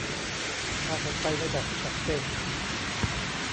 พาฉันไปในแบบที่ฉันเป็น